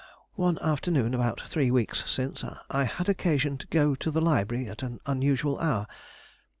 One afternoon, about three weeks since, I had occasion to go to the library at an unusual hour.